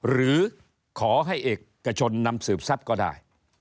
หรือขอให้เอกชนนำสืบทรัพย์ก็ได้